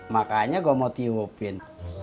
makanya gue mau tiupin